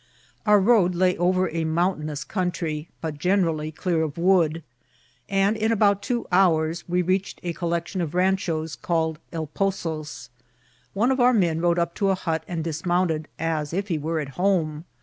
Our road lay over a mountainous country, but gen erally clear of wood ; and in about two hours we reach ed a collection of ranchos, called El Pesos. One of our men rode up to a hut and dismounted, as if he were at home.